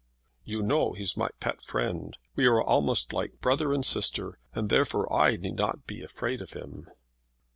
"You know he's my pet friend. We are almost like brother and sister, and therefore I need not be afraid of him."